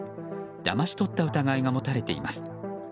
だまし取った疑いが持たれています。